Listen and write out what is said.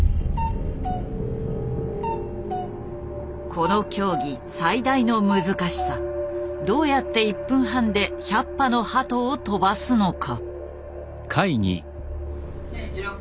この競技最大の難しさどうやって１分半で１００羽の鳩を飛ばすのか。